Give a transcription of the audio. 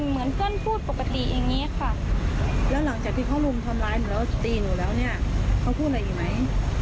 เขาพูดอะไรอีกไหม